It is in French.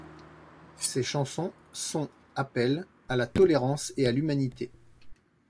Ses chansons sont appellent à la tolérance et à l'humanité.